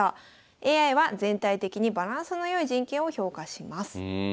ＡＩは全体的にバランスの良い陣形を評価します。